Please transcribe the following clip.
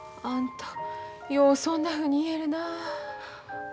あんたようそんなふうに言えるなあ。